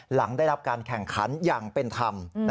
หลังได้รับการแข่งขันอย่างเป็นธรรม